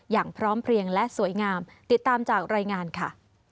อย่างพร้อมเพลียงและสวยงามติดตามจากรายงานค่ะ